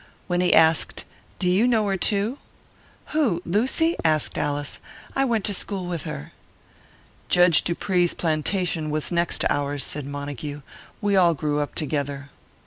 When he asked, "Do you know her, too?" "Who? Lucy?" asked Alice. "I went to school with her." "Judge Dupree's plantation was next to ours," said Montague. "We all grew up together."